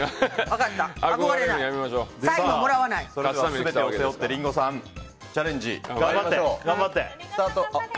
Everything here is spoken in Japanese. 全てを背負ってリンゴさんチャレンジ、スタート。